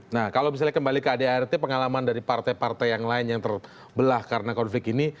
nah kalau misalnya kembali ke adart pengalaman dari partai partai yang lain yang terbelah karena konflik ini